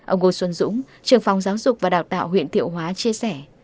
ông ngô xuân dũng trường phòng giáo dục và đào tạo huyện thiệu hóa chia sẻ